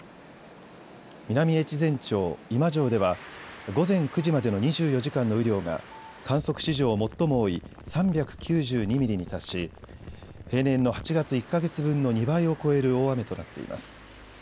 南越前町今庄では午前９時までの２４時間の雨量が観測史上最も多い３９２ミリに達し平年の８月１か月分の２倍を超える大雨となっています。